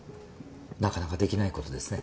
なかなかできない事ですね。